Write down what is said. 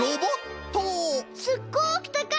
すっごくたかい！